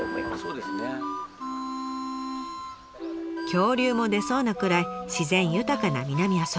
恐竜も出そうなくらい自然豊かな南阿蘇村。